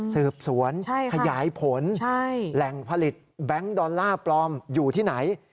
สืบสวนขยายผลแหล่งผลิตแบงค์ดอลลาร์ปลอมอยู่ที่ไหน